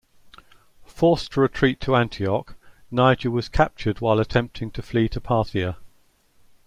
Forced to retreat to Antioch, Niger was captured while attempting to flee to Parthia.